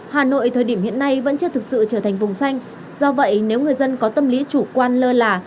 hà nội thời điểm hiện nay vẫn chưa thực sự trở thành vùng xanh do vậy nếu người dân có tâm lý chủ quan lơ là